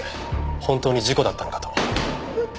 本当に事故だったのか？と。